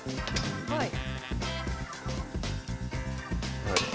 はい。